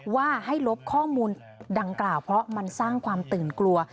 ว่าให้ลบข้อมูลดังกล่าวเพราะมันสร้างความตื่นกลัว